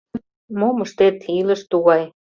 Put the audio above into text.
— Мом ыштет — илыш тугай.